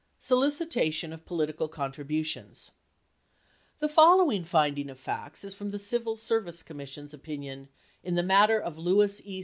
SOLICITATION OF POLITICAL CONTEIBUTIONS The following finding of facts is from the Civil Service Commis sion's opinion In The Matter Of Lewis E.